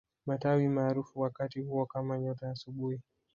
Matawi maarufu wakati huo kama nyota ya asubuhi